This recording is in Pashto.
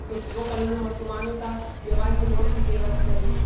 تر دوو کلونو ماشومانو ته یوازې مور شیدې ورکړئ.